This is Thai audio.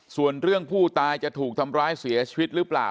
ส่วนเรื่องผู้ตายจะถูกทำร้ายเสียชีวิตหรือเปล่า